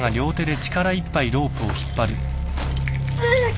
うっ